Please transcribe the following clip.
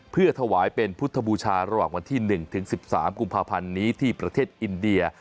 เพื่อถวายเป็นพุทธบูชาระหว่างวันที่๑ถึง๑๓กุมภาพันธ์นี้ที่ประเทศอินเดีย